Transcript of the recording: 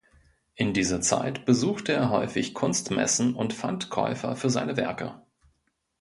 In dieser Zeit besuchte er häufig Kunstmessen und fand Käufer für seine Werke.